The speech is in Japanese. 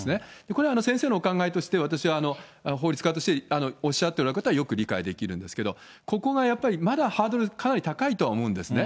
これは先生のお考えとして、私は法律家としておっしゃってることはよく理解できるんですけど、ここがやっぱりまだハードルがかなり高いとは思うんですね。